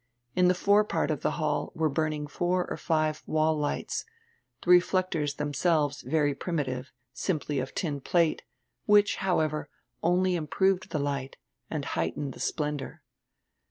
In the forepart of the hall were burning four or five wall lights, the reflectors themselves very primitive, simply of tin plate, which, however, only improved the light and heightened the splendor.